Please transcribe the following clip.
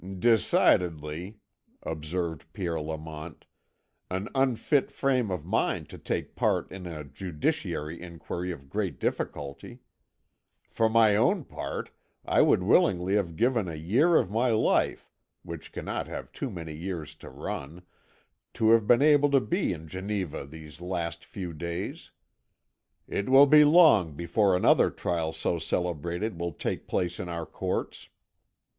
"Decidedly," observed Pierre Lamont, "an unfit frame of mind to take part in a judicial inquiry of great difficulty. For my own part, I would willingly have given a year of my life, which cannot have too many years to run, to have been able to be in Geneva these last few days. It will be long before another trial so celebrated will take place in our courts."